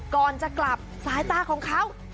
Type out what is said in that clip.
ก่อนจะกลับสายตาของเขา